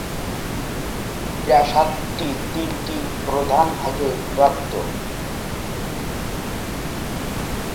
প্রাসাদটি তিনটি প্রধান ভাগে বিভক্ত।